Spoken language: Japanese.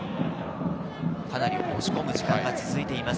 かなり押し込む時間が続いています。